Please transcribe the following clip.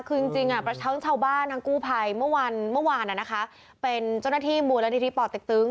คือจริงทั้งชาวบ้านทั้งกู้ภัยเมื่อวานเป็นเจ้าหน้าที่บูรณีดีปอดติ๊กตึ้ง